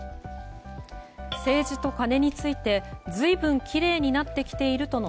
政治とカネについて随分きれいになってきているとの